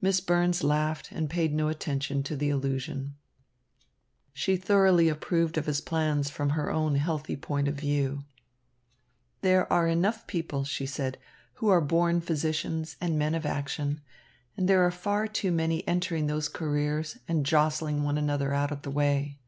Miss Burns laughed and paid no attention to the allusion. She thoroughly approved of his plans from her own healthy point of view. "There are enough people," she said, "who are born physicians and men of action, and there are far too many entering those careers and jostling one another out of the way."